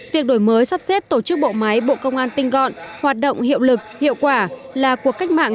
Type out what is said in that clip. việc đổi mới sắp xếp tổ chức bộ máy bộ công an tinh gọn hoạt động hiệu lực hiệu quả là cuộc cách mạng